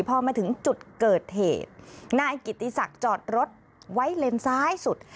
พอมาถึงจุดเกิดเหตุนายกิติศักดิ์จอดรถไว้เลนซ้ายสุด